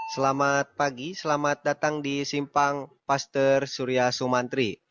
selamat pagi selamat datang di simpang paster surya sumantri